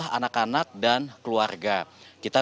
ini ada selamanya ik desiredem kelintasan de ber profileiban